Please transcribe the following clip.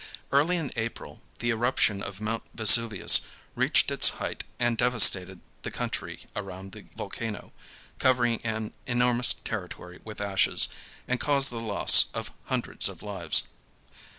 Early in April the eruption of Mount Vesuvius reached its height and devastated the country around the volcano, covering an enormous territory with ashes, and caused the loss of hundreds of lives.